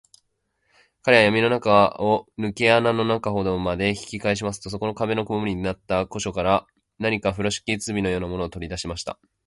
彼はやみの中を、ぬけ穴の中ほどまで引きかえしますと、そこの壁のくぼみになった個所から、何かふろしき包みのようなものを、とりだしました。